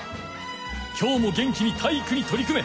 今日も元気に体育にとり組め！